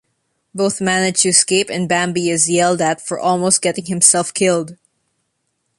Both manage to escape and Bambi is yelled at for almost getting himself killed.